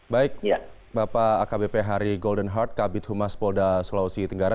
baik bapak akbp hari golden heart kabit humas polda sulawesi tenggara